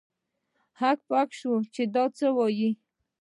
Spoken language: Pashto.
هک پک سوم چې دا څه وايي.